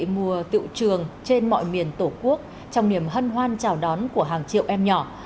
mùa tiệu trường trên mọi miền tổ quốc trong niềm hân hoan chào đón của hàng triệu em nhỏ